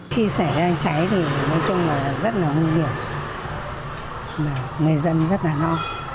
khi xảy ra cháy thì nói chung là rất là nguy hiểm người dân rất là no